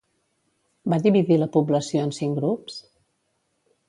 Va dividir la població en cinc grups?